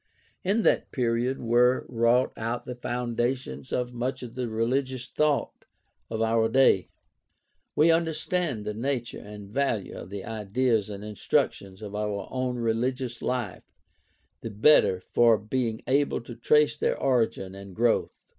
In that period were wrought out the foundations of much of the religious thought of our day. We understand the nature and value of the ideas and institutions of our own religious life the better for being able to trace their origin and growth.